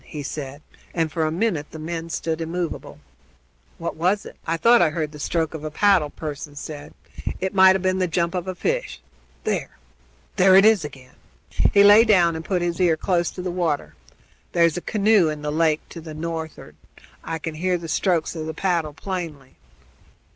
he said; and for a minute the men stood immovable. "What was it?" the farmer asked. "I thought I heard the stroke of a paddle," Pearson said; "it might have been the jump of a fish. There! there it is again!" He lay down and put his ear close to the water. "There's a canoe in the lake to the north'ard. I can hear the strokes of the paddle plainly."